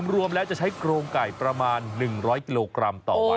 รวมแล้วจะใช้โครงไก่ประมาณ๑๐๐กิโลกรัมต่อวัน